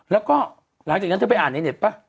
แล้วก็หลังจากนั้นเธอไปอ่านในเน็ตป่ะ